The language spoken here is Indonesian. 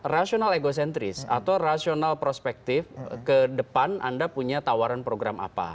rasional egocentris atau rasional prospektif ke depan anda punya tawaran program apa